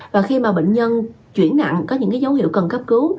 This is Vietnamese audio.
và khi mà bệnh nhân chuyển nặng có những dấu hiệu cần cấp cứu